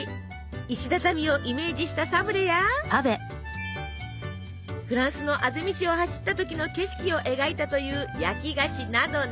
石畳をイメージしたサブレやフランスのあぜ道を走った時の景色を描いたという焼き菓子などなど。